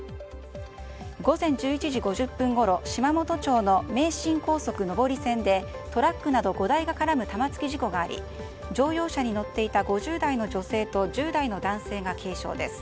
午前１１時５０分ごろ、島本町の名神高速上り線でトラックなど５台が絡む玉突き事故があり乗用車に乗っていた５０代の女性と１０代の男性が軽傷です。